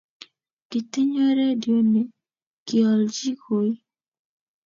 Kitinyo redio ne kiolji koii